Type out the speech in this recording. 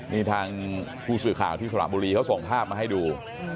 นี่ทางผู้สื่อข่าวที่สระบุรีเขาส่งภาพมาให้ดู